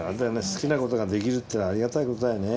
好きな事ができるっていうのはありがたい事だよね。